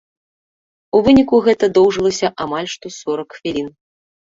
У выніку гэта доўжылася амаль што сорак хвілін.